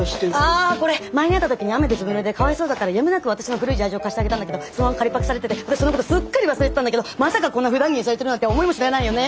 あこれ前に会った時に雨でずぶぬれでかわいそうだったからやむなく私の古いジャージを貸してあげたんだけどそのまま借りパクされてて私そのことすっかり忘れてたんだけどまさかこんなふだん着にされてるなんて思いもしないよね。